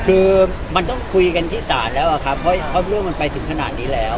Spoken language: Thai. คือมันต้องคุยกันที่ศาลแล้วอะครับเพราะเรื่องมันไปถึงขนาดนี้แล้ว